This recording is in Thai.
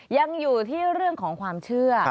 ยังอยู่ที่เรื่องของความเชื่อ